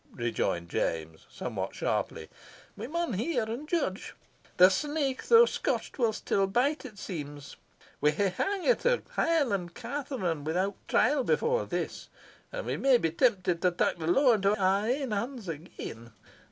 rejoined James, somewhat sharply. "We maun hear and judge. The snake, though scotched, will still bite, it seems. We hae hangit a Highland cateran without trial afore this, and we may be tempted to tak the law into our ain hands again.